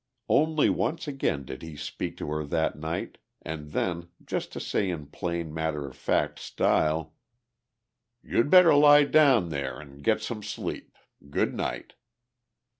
Only once again did he speak to her that night and then just to say in plain matter of fact style: "You'd better lie down there and get some sleep. Good night."